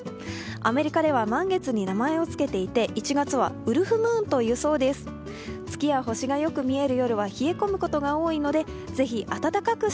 アメリカでは満月に名前をつけていて１月はウルフムーンというそうです